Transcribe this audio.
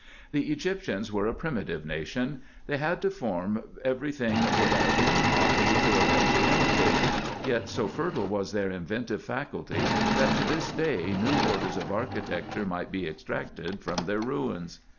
The Egyptians were a primitive nation. They had to form every thing without any model before them to imitate. Yet so fertile was their inventive faculty, that to this day new orders of archi tecture might be extracted from their ruins.